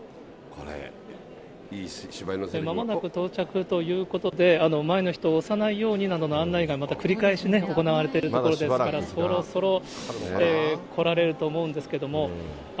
まもなく到着ということで、前の人、押さないようになどの案内がまた繰り返し、行われているところですから、そろそろ来られると思うんですけれども。